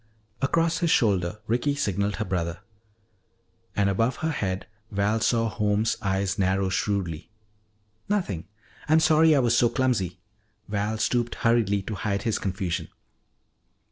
Across his shoulder Ricky signaled her brother. And above her head Val saw Holmes' eyes narrow shrewdly. "Nothing. I'm sorry I was so clumsy." Val stooped hurriedly to hide his confusion.